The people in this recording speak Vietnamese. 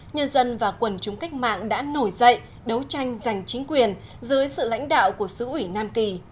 nhân dân và quần chúng cách mạng đã nổi dậy đấu tranh giành chính quyền dưới sự lãnh đạo của sứ ủy nam kỳ